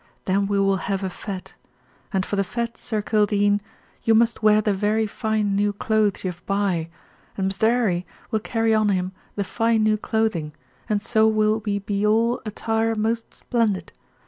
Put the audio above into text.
Then we will have a fête. And for the fête, Sir Kildene, you must wear the very fine new clothes you have buy, and Mr. 'Arry will carry on him the fine new clothing, and so will we be all attire most splendid.